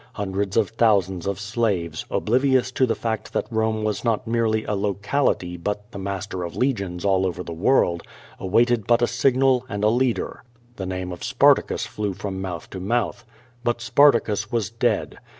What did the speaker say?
Hundreds of thousands of slaves, oblivious of the fact that Rome was not merely a locality but the master of legions all over the world, awaited but a signal and a leader. The name of Spartacus flew from mouth to mouth. But Sparta cus was dead.